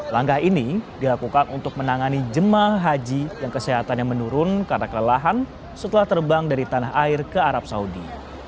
langkah ini dilakukan untuk menangani jemaah haji yang kesehatannya menurun karena kelelahan setelah terbang dari tanah air ke arab saudi